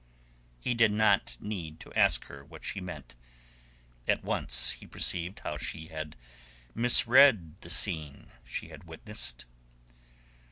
He did not need to ask her what she meant. At once he perceived how she had misread the scene she had witnessed.